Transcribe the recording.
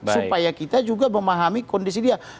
supaya kita juga memahami kondisi dia